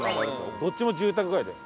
どっちも住宅街だよ。